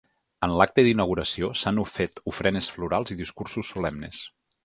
En l’acte d’inauguració, s’han fet ofrenes florals i discursos solemnes.